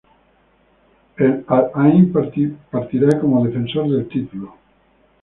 El Al Ain partirá como defensor del título.